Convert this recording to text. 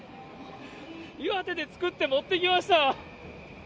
岩手で作って持ってきました。